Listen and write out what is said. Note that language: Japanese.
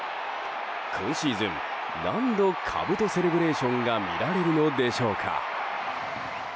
今シーズン何度兜セレブレーションが見られるのでしょうか。